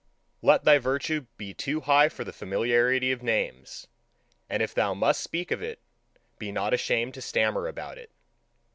Let thy virtue be too high for the familiarity of names, and if thou must speak of it, be not ashamed to stammer about it.